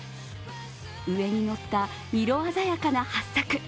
上にのった色鮮やかなはっさく。